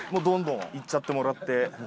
どんどんいっちゃってもらって。